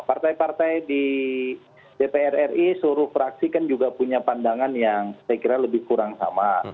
partai partai di dpr ri seluruh fraksi kan juga punya pandangan yang saya kira lebih kurang sama